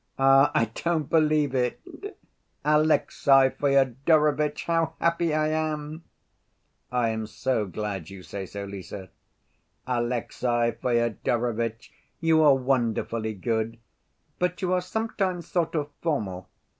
"Ah, I don't believe it! Alexey Fyodorovitch, how happy I am!" "I am so glad you say so, Lise." "Alexey Fyodorovitch, you are wonderfully good, but you are sometimes sort of formal....